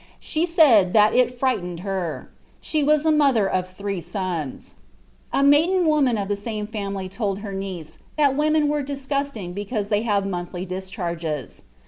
She said that it 'frightened' her. She was the mother of three sons. A maiden woman of the same family told her niece that women were 'disgusting, because they have monthly discharges.'